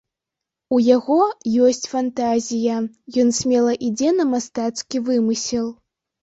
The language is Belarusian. У яго ёсць фантазія, ён смела ідзе на мастацкі вымысел.